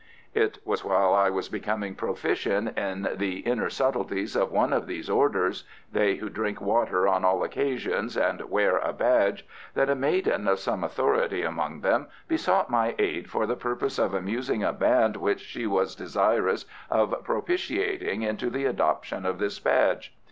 It was while I was becoming proficient in the inner subtleties of one of these orders they who drink water on all occasions and wear a badge that a maiden of some authority among them besought my aid for the purpose of amusing a band which she was desirous of propitiating into the adoption of this badge.